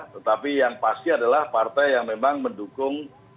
tetapi yang pasti adalah partai yang memang mendukung